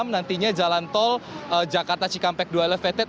nantinya jalan tol jakarta cikampek dua elevated